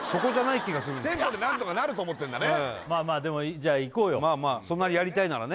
まあねテンポで何とかなると思ってんだねまあまあでもじゃあいこうよまあまあそんなにやりたいならね